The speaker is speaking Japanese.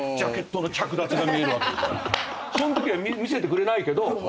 そのときは見せてくれないけど。